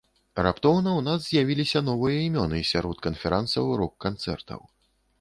Раптоўна ў нас з'явіліся новыя імёны сярод канферансаў рок-канцэртаў.